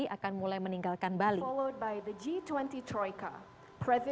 akan mulai meninggalkan bali